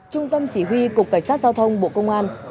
trung tâm chỉ huy cục cảnh sát giao thông bộ công an